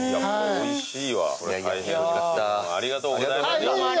おいしい！